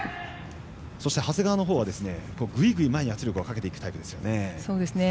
そして、長谷川のほうはぐいぐい前に圧力をかけていくタイプですね。